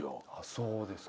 そうですか？